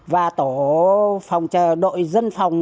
và tổ đội dân phòng